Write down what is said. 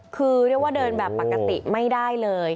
คือเรียกว่าเดินแบบปกติไม่ได้เลย